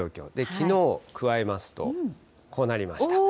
きのうを加えますと、こうなりました。